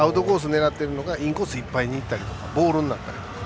狙っているのがインコースいっぱいになったりボールになったりとか。